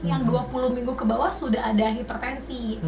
yang dua puluh minggu ke bawah sudah ada hipertensi